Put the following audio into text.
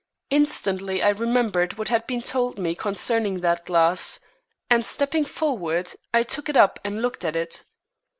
Instantly I remembered what had been told me concerning that glass, and stepping forward, I took it up and looked at it.